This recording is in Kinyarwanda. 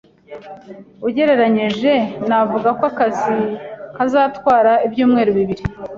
Ugereranije, navuga ko akazi kazatwara ibyumweru bibiri.